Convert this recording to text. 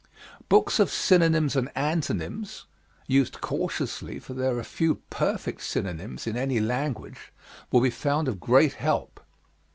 Books of synonyms and antonyms used cautiously, for there are few perfect synonyms in any language will be found of great help.